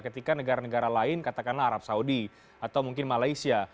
ketika negara negara lain katakanlah arab saudi atau mungkin malaysia